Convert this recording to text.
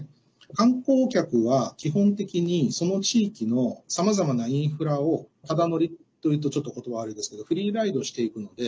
観光客は基本的に、その地域のさまざまなインフラをただ乗りというとちょっと言葉悪いですけどフリーライドしていくので。